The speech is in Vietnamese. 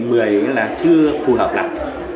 năm hai nghìn một mươi là chưa phù hợp lắm